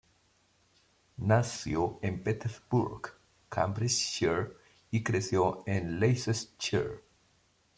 Nació en Peterborough, Cambridgeshire, y creció en Leicestershire.